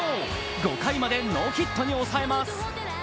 ５回までノーヒットに抑えます。